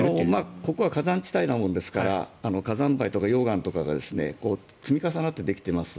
ここは火山地帯なもんですから火山灰とか溶岩とかが積み重なってできています。